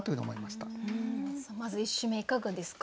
まず１首目いかがですか？